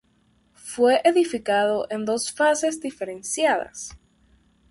Fue edificado en dos fases diferenciadas.